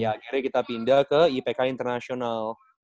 ya akhirnya kita pindah ke ipk international